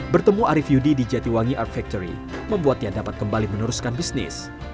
bertemu arief yudi di jatiwangi art factory membuatnya dapat kembali meneruskan bisnis